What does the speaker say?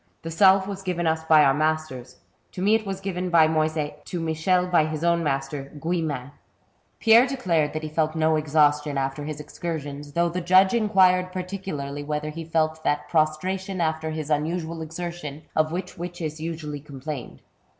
The salve was given us by our masters ; to me it was given by Moyset, to Michel by his own master, Guillemin." Pierre declared that he felt no exhaustion after his excursions, though the judge inquired particularly whether he felt that prostration after his unuBual exertion, of which witches usually complained.